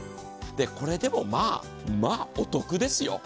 これでもまあまあお得ですよ。